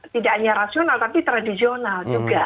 tidak hanya rasional tapi tradisional juga